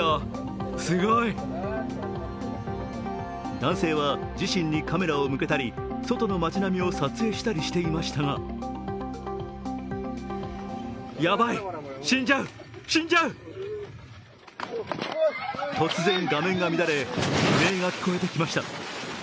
男性は自身にカメラを向けたり外の町並みを撮影したりしていましたが突然、画面が乱れ、悲鳴が聞こえてきました。